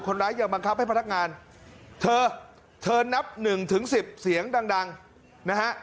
คนร้ายยังบังคับให้พนักงานเธอเธอนับ๑๑๐เสียงดังนะฮะ